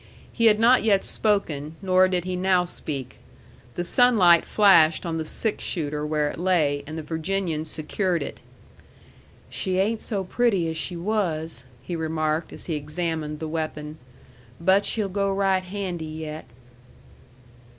He had not yet spoken, nor did he now speak. The sunlight flashed on the six shooter where it lay, and the Virginian secured it. "She ain't so pretty as she was," he remarked, as he examined the weapon. "But she'll go right handy yet."